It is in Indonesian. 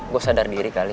gue sadar diri kali